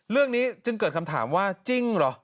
เรื่องนี้จึงเกิดคำถามว่าจริงเหรอ